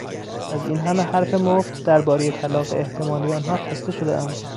از اینهمه حرف مفت دربارهی طلاق احتمالی آنها خسته شدهام.